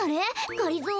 がりぞー